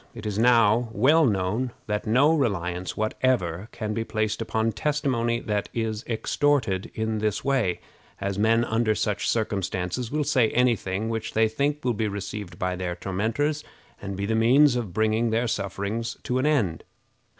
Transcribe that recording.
It is now well known that no reliance whatever can be placed upon testimony that is extorted in this way, as men under such circumstances will say any thing which they think will be received by their tormentors, and be the means of bringing their sufferings to an end.